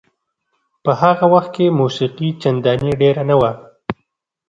په هغه وخت کې موسیقي چندانې ډېره نه وه.